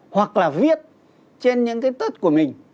hoặc là viết trên những cái tết của mình